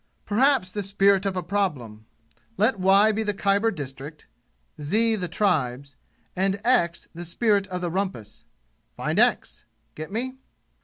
Perhaps the spirit of a problem. Let y be the Khyber district, z the tribes, and x the spirit of the rumpus. Find x. Get me?"